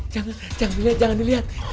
jangan dilihat jangan dilihat